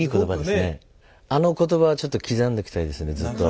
あの言葉はちょっと刻んでおきたいですねずっと。